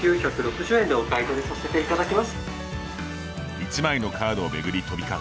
１枚のカードを巡り飛び交う